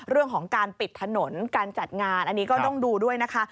เรื่องของการปิดถนนการจัดงานอันนี้ก็ต้องดูด้วยนะคะ